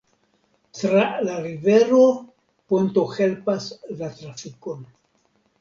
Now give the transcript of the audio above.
Tra la rivero ponto helpas la trafikon.